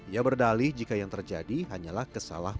ia berdalih jika yang terjadi hanyalah kesalahan